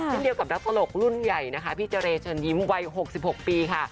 เดียวกับนักตลกรุ่นใหญ่นะคะพี่เจรเชิญยิ้มวัย๖๖ปีค่ะ